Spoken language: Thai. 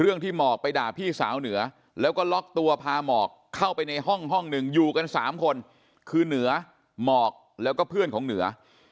ที่หมอกไปด่าพี่สาวเหนือแล้วก็ล็อกตัวพาหมอกเข้าไปในห้องห้องหนึ่งอยู่กัน๓คนคือเหนือหมอกแล้วก็เพื่อนของเหนือ